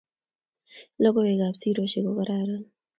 Logoiwek ab sirosek ko kararan